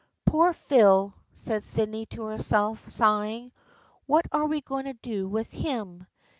" Poor Phil," said Sydney to herself, sighing. " What are we going to do with him